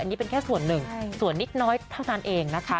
อันนี้เป็นแค่ส่วนหนึ่งส่วนนิดน้อยเท่านั้นเองนะคะ